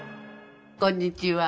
こんにちは。